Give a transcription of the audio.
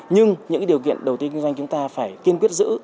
nhưng những điều kiện đầu tư kinh doanh chúng ta phải kiên quyết giữ